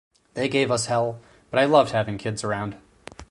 They gave us hell, but I loved having kids around.